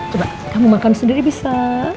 coba kamu makan sendiri bisa